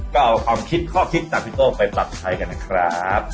ก็เอาความคิดข้อคิดจากพี่โต้ไปปรับใช้กันนะครับ